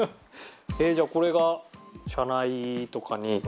じゃあこれが社内とかに。